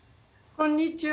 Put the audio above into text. こんにちは。